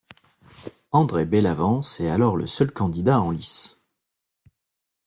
André Bellavance est alors le seul candidat en lice.